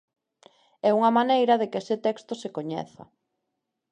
É unha maneira de que ese texto se coñeza.